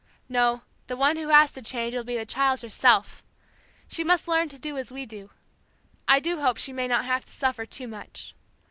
No, the one who has to change will be the child herself! She must learn to do as we do. I do hope she may not have to suffer too much.